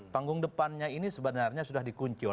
panggung depannya ini sebenarnya sudah dikunci